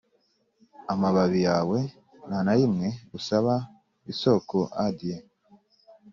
amababi yawe, ntanarimwe usaba isoko adieu;